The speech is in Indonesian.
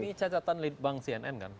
ini catatan lead bank cnn kan